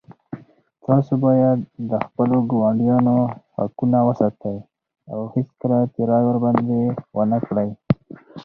تاسو باید د خپلو ګاونډیانو حقونه وساتئ او هېڅکله تېری ورباندې ونه کړئ